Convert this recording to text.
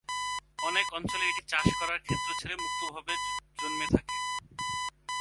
অনেক অঞ্চলে এটি চাষ করার ক্ষেত্র ছেড়ে মুক্তভাবে জন্মে থাকে।